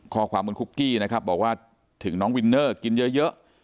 ข้อความบนคุกกี้นะครับบอกว่าถึงน้องวินเนอร์กินเยอะ